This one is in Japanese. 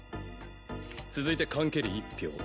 続いて缶蹴り１票。